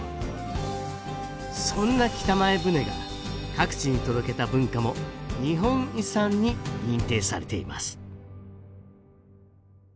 そんな北前船が各地に届けた文化も日本遺産に認定されています